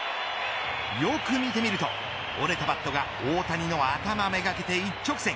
よく見てみると、折れたバットが大谷の頭めがけて一直線。